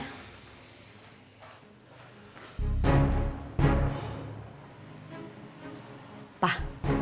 pa papa mau tidur